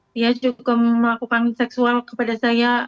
dia cukup melakukan seksual kepada saya